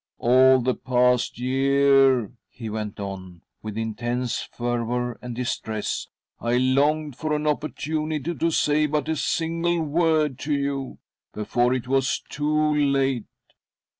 " All the past year," he went on, with intense fervour and distress, " I. longed for an opportunity to say but a.single word to you— before it was loo late.